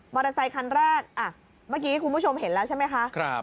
อเตอร์ไซคันแรกเมื่อกี้คุณผู้ชมเห็นแล้วใช่ไหมคะ